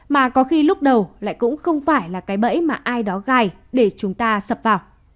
mà có khi lúc đầu lại cũng không phải là cái bẫy mà ai đó gài để chúng ta sập vào